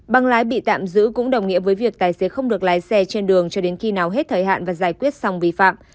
băng lái bị tạm giữ cũng đồng nghĩa với việc tài xế không được lái xe trên đường cho đến khi nào hết thời hạn và giải quyết xong vi phạm